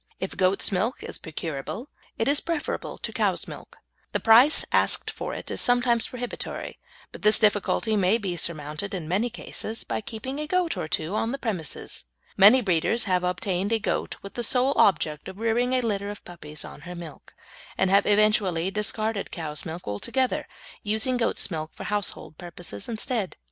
If goat's milk is procurable it is preferable to cow's milk. The price asked for it is sometimes prohibitory, but this difficulty may be surmounted in many cases by keeping a goat or two on the premises. Many breeders have obtained a goat with the sole object of rearing a litter of puppies on her milk, and have eventually discarded cow's milk altogether, using goat's milk for household purposes instead.